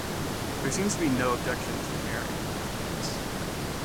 There seems to be no objection to their marrying afterwards.